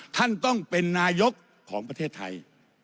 ท่านต้องเป็นนายกของประเทศไทย